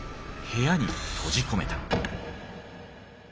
部屋に閉じ込めた。